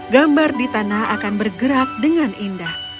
gambar di tanah akan bergerak dengan indah